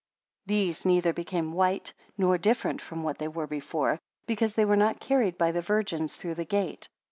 37 These neither became white, nor different from what they were before; because they were not carried by the virgins through the gate.